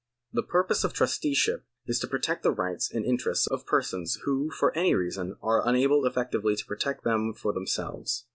The purpose of trusteeship is to protect the rights and interests of persons who for any reason are unable effectively to protect them for themselves.